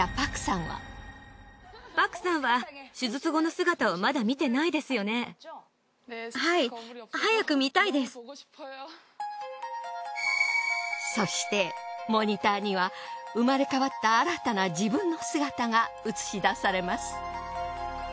そしてそしてモニターには生まれ変わった新たな自分の姿が映し出されます。